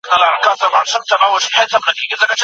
په دې مرحله کي تخیل خپل ځای پریږدي.